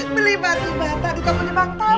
beli batu bantah di kampungnya bang tamak